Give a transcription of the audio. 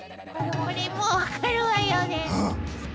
これもう分かるわよね。